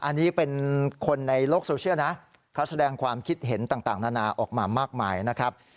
อันนี้เป็นคนในโลกโซเชียลนะเขาแสดงความคิดเห็นต่างนานาออกมามากมายนะครับ